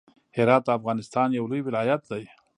هرات د افغانستان يو لوی ولايت دی.